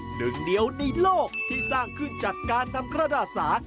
หนึ่งเดียวในโลกที่สร้างขึ้นจากการนำกระดาษสา